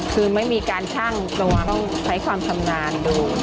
คือไม่มีการชั่งตัวต้องใช้ความชำนาญดู